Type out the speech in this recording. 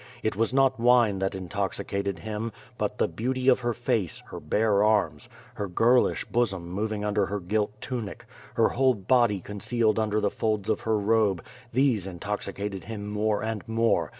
It was not wine that intoxicated him, but the beauty of her face, her bare arms, her girlish bosom moving under her gilt tunic, her whole body concealed under the folds of her robe — these intoxicated him more and more.